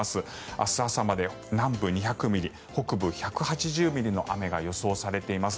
明日朝まで南部２００ミリ北部、１８０ミリの雨が予想されています。